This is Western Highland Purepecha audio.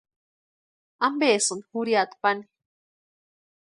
¿Ampesïni jurhiata pani?